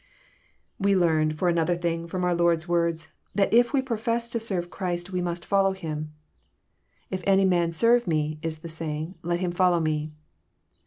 We learn, for another thing, from our Lord's words, that if tve profess to serve Christy we must follow Him» 334 EXPOSITORY THOUGHTS. •*' If any man serve Me," is the saying, " le* him follow Me."